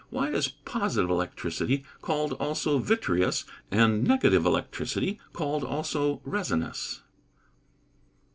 _Why is "positive" electricity called also "vitreous," and "negative" electricity called also "resinous"?